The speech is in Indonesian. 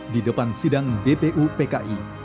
di depan sidang bpu pki